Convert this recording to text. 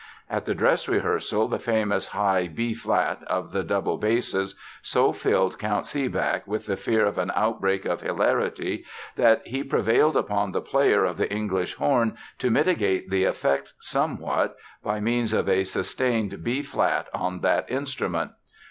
At the dress rehearsal the famous high B flat of the double basses so filled Count Seebach with the fear of an outbreak of hilarity, that he prevailed upon the player of the English horn to mitigate the effect, somewhat, "by means of a sustained B flat on that instrument."